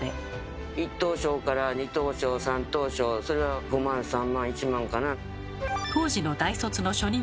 １等賞から２等賞３等賞それは５万３万１万かな。